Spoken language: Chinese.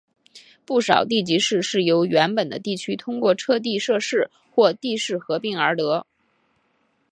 不少地级市是由原本的地区通过撤地设市或地市合并而得。